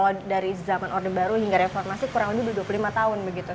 ini kan juga kalau dari zaman orde baru hingga reformasi kurang lebih dua puluh lima tahun